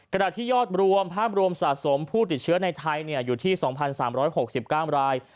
ขณะที่ยอดรวมภาพรวมสะสมผู้ติดเชื้อในไทยอยู่ที่๒๓๖๙ราย